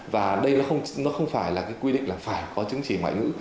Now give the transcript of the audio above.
và đây nó không phải là cái quy định là phải có chứng chỉ ngoại ngữ